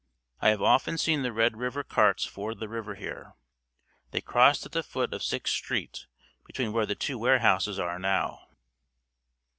I have often seen the Red River carts ford the river here. They crossed at the foot of Sixth Street between where the two warehouses are now.